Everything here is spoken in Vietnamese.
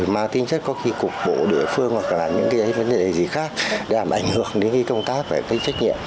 mà tính chất có khi cục bộ địa phương hoặc là những vấn đề gì khác đảm ảnh hưởng đến công tác và trách nhiệm